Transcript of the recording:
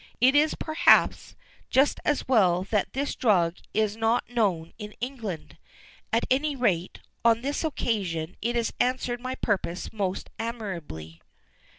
"It is, perhaps, just as well that this drug is not known in England. At any rate, on this occasion it has answered my purpose most admirably."